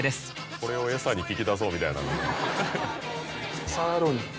これをエサに聞き出そうみたいなん。